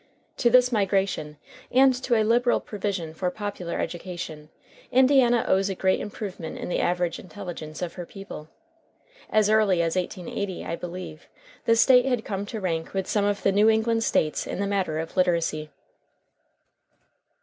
To this migration and to a liberal provision for popular education Indiana owes a great improvement in the average intelligence of her people. As early as 1880, I believe, the State had come to rank with some of the New England States in the matter of literacy.